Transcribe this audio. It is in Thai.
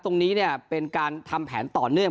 ตรงนี้เนี่ยเป็นการทำแผนต่อเนื่อง